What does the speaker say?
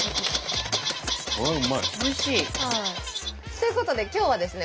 ということで今日はですね